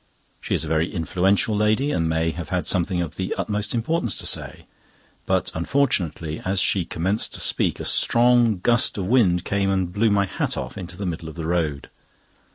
She is a very influential lady, and may have had something of the utmost importance to say, but unfortunately, as she commenced to speak a strong gust of wind came and blew my hat off into the middle of the road.